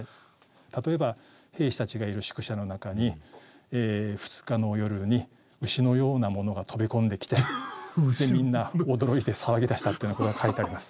例えば兵士たちがいる宿舎の中に２日の夜に牛のようなものが飛び込んできてでみんな驚いて騒ぎだしたというようなことが書いてあります。